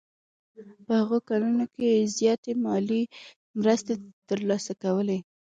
په هغو کلونو کې یې زیاتې مالي مرستې ترلاسه کولې.